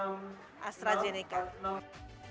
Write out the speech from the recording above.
untuk mengikuti vaksinasi ini kita harus menggunakan astrazeneca